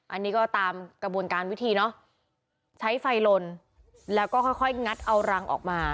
อันนี้ก็ตามกระบวนการวิธีเนอะใช้ไฟลนแล้วก็ค่อยค่อยงัดเอารังออกมา